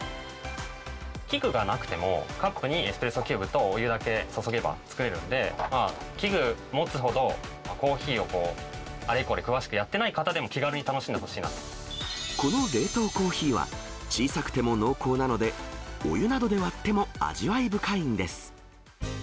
器具がなくても、カップにエスプレッソキューブとお湯だけ注げば、作れるんで、器具を持つほどコーヒーをあれこれ詳しくやってない方でも気軽にこの冷凍コーヒーは、小さくても濃厚なので、お湯などで割っても味わい深いんです。